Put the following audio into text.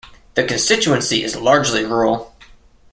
The constituency is largely rural.